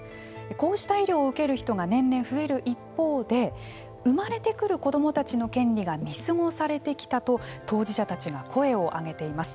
こうした医療を受ける人が年々増える一方で生まれてくる子どもたちの権利が見過ごされてきたと当事者たちが声を上げています。